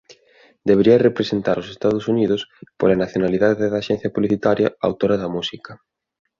Debería representar os Estados Unidos, pola nacionalidade da axencia publicitaria autora da música.